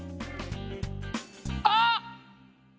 あっ！